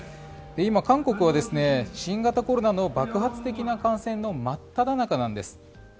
今、韓国は新型コロナの爆発的な感染の真っただ中なんです。